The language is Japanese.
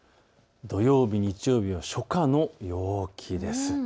土曜日、日曜日は初夏の陽気です。